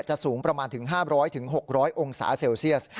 สูงประมาณถึง๕๐๐๖๐๐องศาเซลเซียส